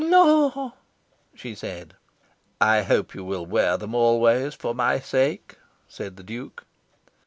"Lor!" she said. "I hope you will wear them always for my sake," said the Duke.